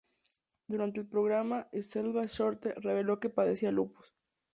Durante el programa, Scelba-Shorte reveló que padecía lupus.